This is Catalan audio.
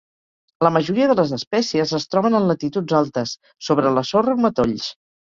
La majoria de les espècies es troben en latituds altes, sobre la sorra o matolls.